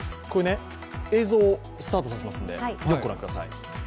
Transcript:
映像をスタートさせますので、よくご覧ください。